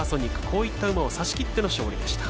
こういった馬を差しきっての勝利でした。